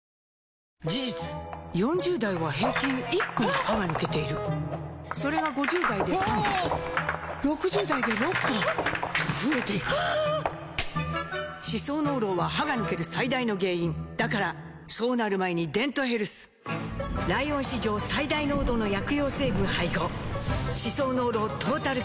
事実４０代は平均１本歯が抜けているそれが５０代で３本６０代で６本と増えていく歯槽膿漏は歯が抜ける最大の原因だからそうなる前に「デントヘルス」ライオン史上最大濃度の薬用成分配合歯槽膿漏トータルケア！